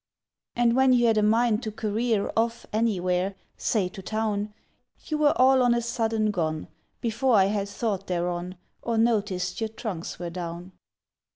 And when you'd a mind to career Off anywhere—say to town— You were all on a sudden gone Before I had thought thereon, Or noticed your trunks were down.